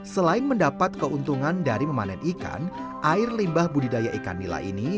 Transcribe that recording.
selain mendapat keuntungan dari memanen ikan air limbah budidaya ikan nila ini